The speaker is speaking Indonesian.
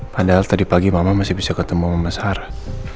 padahal tadi pagi mama masih bisa ketemu mama sarah